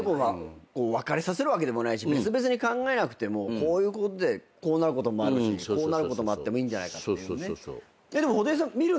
分かれさせるわけでもないし別々に考えなくてもこういうことでこうなることもあるしこうなることもあってもいいんじゃないかっていうね。